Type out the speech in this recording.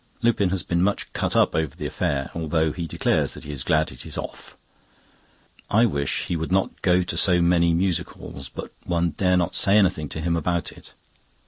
Lupin has been much cut up over the affair, although he declares that he is glad it is off. I wish he would not go to so many music halls, but one dare not say anything to him about it.